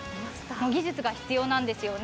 技術が必要なんですよね。